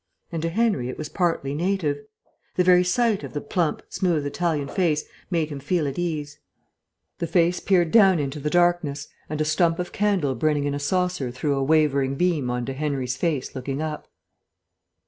And to Henry it was partly native. The very sight of the plump, smooth, Italian face made him feel at ease. The face peered down into the darkness, and a stump of candle burning in a saucer threw a wavering beam on to Henry's face looking up.